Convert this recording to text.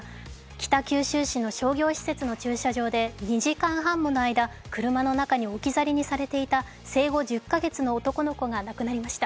北九州市の商業施設の駐車場で２時間半もの間、車の何か置き去りにされていた生後１０か月の男の子が亡くなりました。